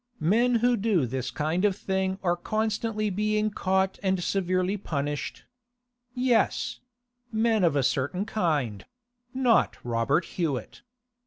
'Men who do this kind of thing are constantly being caught and severely punished. Yes; men of a certain kind; not Robert Hewett.